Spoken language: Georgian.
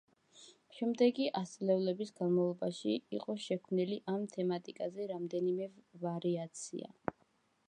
შემდეგი ასწლეულების განმავლობაში იყო შექმნილი ამ თემატიკაზე რამდენიმე ვარიაცია.